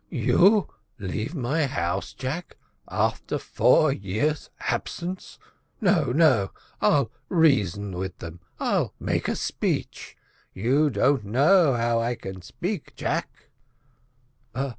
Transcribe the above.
"You leave my house, Jack, after four years' absence! no, no. I'll reason with them I'll make them a speech. You don't know how I can speak, Jack."